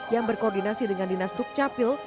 yang berkoordinasi dengan dinas dukcapil